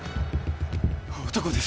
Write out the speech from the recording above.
男です。